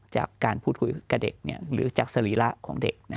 จากการพูดคุยกับเด็กหรือจากสรีระของเด็ก